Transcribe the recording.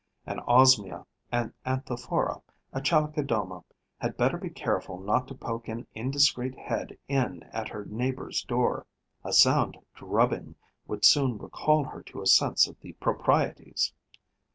An Osmia, an Anthophora, a Chalicodoma had better be careful not to poke an indiscreet head in at her neighbour's door: a sound drubbing would soon recall her to a sense of the proprieties.